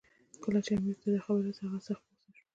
کله چې امیر ته دا خبر ورسېد، هغه سخت په غوسه شو.